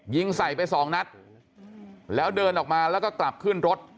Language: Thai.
ยิงใส่ไปสองนัดแล้วเดินออกมาแล้วก็กลับขึ้นรถ